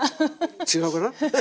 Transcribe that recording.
違うかな？